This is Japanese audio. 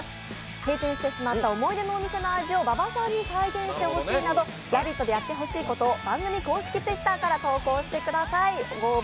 閉店してしまった思い出の店の味を馬場さんに再現してほしいなど「ラヴィット！」でやってほしいことを番組公式Ｔｗｉｔｔｅｒから投稿してくださいご応募